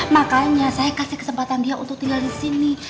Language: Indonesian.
makanya saya kasih kesempatan dia untuk tinggal disini